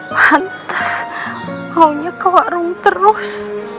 pantas maunya ke warung terus